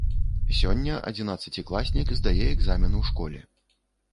Сёння адзінаццацікласнік здае экзамен у школе.